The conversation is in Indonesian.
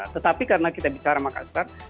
tetapi karena kita bicara makassar